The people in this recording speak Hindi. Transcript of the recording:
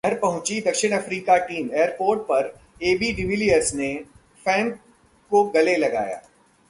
घर पहुंची द. अफ्रीकी टीम, एयरपोर्ट पर एबी डिविलियर्स ने फैन को गले लगाया